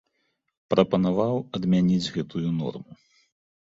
Прапанаваў адмяніць гэтую норму.